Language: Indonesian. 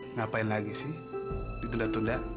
ngapain lagi sih ditunda tunda